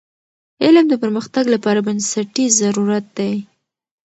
علم د پرمختګ لپاره بنسټیز ضرورت دی.